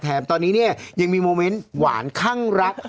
แถมตอนนี้เนี่ยยังมีโมเมนต์หวานข้างรัก